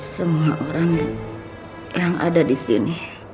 semua orang yang ada disini